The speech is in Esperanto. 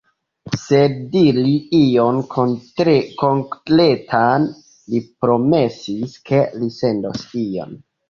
Sen diri ion konkretan, li promesis, ke li sendos ion.